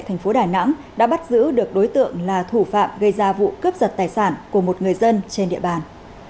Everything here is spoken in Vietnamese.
thành phố đà nẵng đã bắt giữ được đối tượng là thủ phạm gây ra vụ cướp giật tài sản của một người dân trên địa bàn